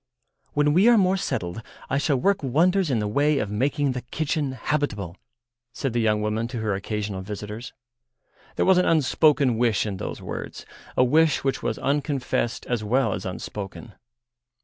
"When we are more settled I shall work wonders in the way of making the kitchen habitable," said the young woman to her occasional visitors. There was an unspoken wish in those words, a wish which was unconfessed as well as unspoken.